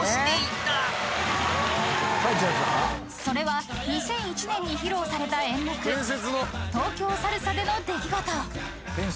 ［それは２００１年に披露された演目東京サルサでの出来事］